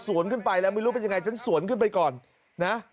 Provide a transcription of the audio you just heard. ขึ้นไปแล้วไม่รู้เป็นยังไงฉันสวนขึ้นไปก่อนนะ